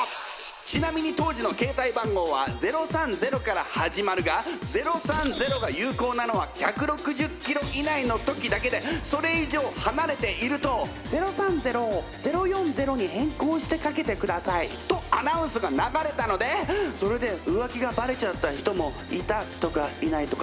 ちなみに当時の携帯番号は「０３０」から始まるが「０３０」が有効なのは１６０キロ以内の時だけでそれ以上離れていると「『０３０』を『０４０』に変更してかけてください」とアナウンスが流れたのでそれで浮気がバレちゃった人もいたとかいないとか。